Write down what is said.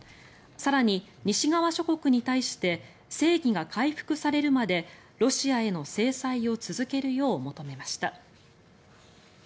更に西側諸国に対して正義が回復されるまでロシアへの制裁を続けるよう求めました。